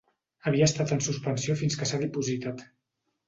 Havia estat en suspensió fins que s'ha dipositat.